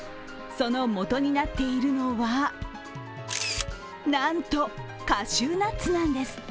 その元になっているのはなんとカシューナッツなんです。